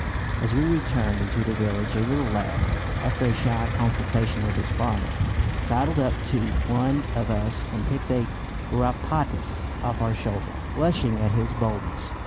As we returned into the village a little lad, after a shy consultation with his father, sidled up to one of us and picked a garrapatas off our shoulder, blushing at his boldness.